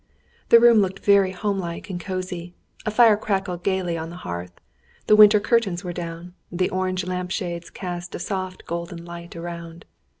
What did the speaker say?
The room looked very home like and cosy. A fire crackled gaily on the hearth. The winter curtains were drawn; the orange lampshades cast a soft golden light around.